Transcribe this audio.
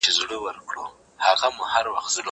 هغه وويل چي کتابتون ارام ځای دی؟